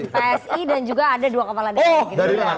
psi dan juga ada dua kepala dari gibran